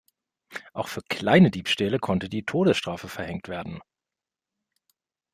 Auch für kleine Diebstähle konnte die Todesstrafe verhängt werden.